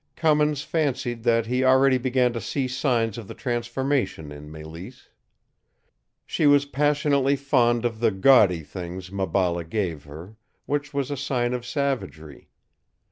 Cummins fancied that he already began to see signs of the transformation in Mélisse. She was passionately fond of the gaudy things Maballa gave her, which was a sign of savagery.